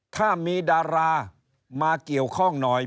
ถ้ามีดารามาเกี่ยวข้องหน่อย